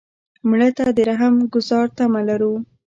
مړه ته د رحم ګذار تمه لرو